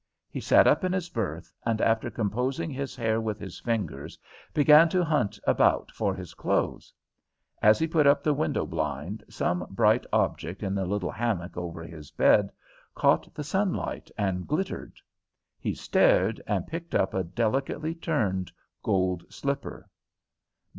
He sat up in his berth, and, after composing his hair with his fingers, began to hunt about for his clothes. As he put up the window blind some bright object in the little hammock over his bed caught the sunlight and glittered. He stared and picked up a delicately turned gold slipper.